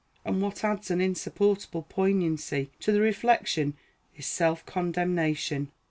And what adds an insupportable poignancy to the reflection is self condemnation.